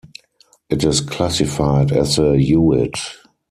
It is classified as a Hewitt.